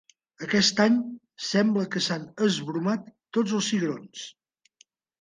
Aquest any sembla que s'han esbromat tots els cigrons.